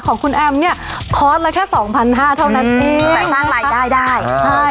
ของคุณแอมเนี่ยคอร์สละแค่สองพันห้าเท่านั้นเองแต่สร้างรายได้ได้ใช่